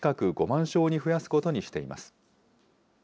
５万床に増やすことにしています。